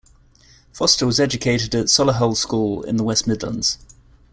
Foster was educated at Solihull School, in the West Midlands.